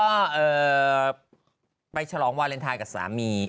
ก็ไปฉลองวาเลนไทยกับสามี